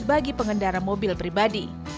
bagi pengendara mobil pribadi